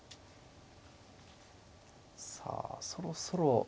さあそろそろ。